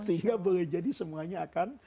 sehingga boleh jadi semuanya akan